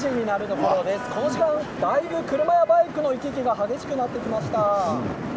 この時間、だいぶ車、バイクの行き来が激しくなってきました。